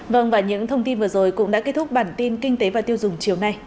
vâng và những thông tin vừa rồi cũng đã kết thúc bản tin kinh tế và tiêu dùng chiều nay